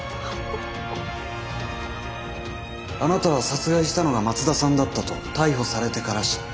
あなたは殺害したのが松田さんだったと逮捕されてから知った。